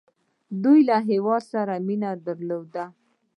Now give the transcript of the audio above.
دوی له هیواد سره مینه درلوده.